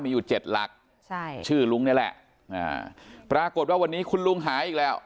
มีอยู่เจ็ดหลักใช่ชื่อลุงนี่แหละอ่าปรากฏว่าวันนี้คุณลุงหายอีกแล้ว